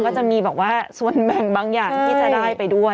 ก็จะมีแบบว่าส่วนแบ่งบางอย่างที่จะได้ไปด้วย